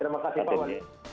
terima kasih pak wali